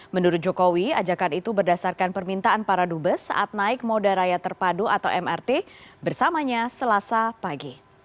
menurut jokowi ajakan itu berdasarkan permintaan para dubes saat naik moda raya terpadu atau mrt bersamanya selasa pagi